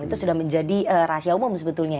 itu sudah menjadi rahasia umum sebetulnya